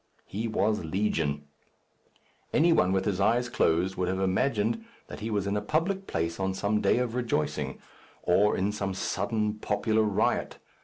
He was legion. Any one with his eyes closed would have imagined that he was in a public place on some day of rejoicing, or in some sudden popular riot.